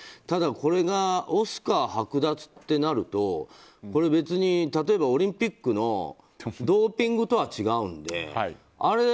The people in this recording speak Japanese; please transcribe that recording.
ただ、これがオスカー剥奪ってなると別に、例えばオリンピックのドーピングとは違うんで。